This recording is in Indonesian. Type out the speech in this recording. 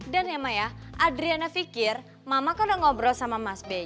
dan ya ma ya adriana pikir mama kan udah ngobrol sama mas ben